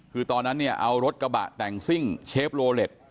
คือตอนนั้นเนี่ยเอารถกระบะแต่งซิ่งเชฟโลเล็ต